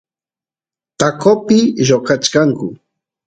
taqopi lloqachkanku